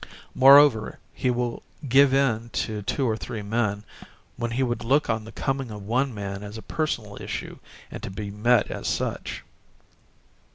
Moreover, he will give in to two or three men, when he would look on the coming of one man as a personal issue and to be met as such."